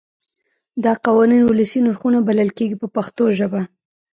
دا قوانین ولسي نرخونه بلل کېږي په پښتو ژبه.